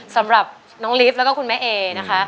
สำหรับน้องลิฟต์แล้วก็คุณแม่เอนะคะ